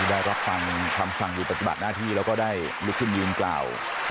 ในได้รักษ์คำฟังอยู่ปัจจุบันน่าที่แล้วก็ได้ลึกขึ้นยืนกล่าว